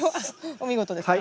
お見事ですか。